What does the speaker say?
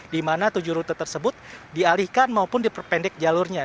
di mana tujuh rute tersebut dialihkan maupun diperpendek jalurnya